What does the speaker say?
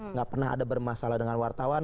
nggak pernah ada bermasalah dengan wartawan